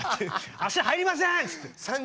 足、入りませんって。